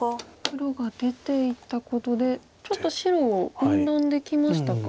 黒が出ていったことでちょっと白を分断できましたか？